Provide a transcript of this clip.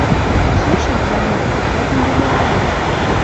Со шеклӓнет. Дӓ тӹнь веле агыл